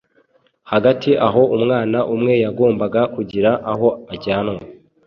hagati aho umwana umwe yagombaga kugira aho ajyanwa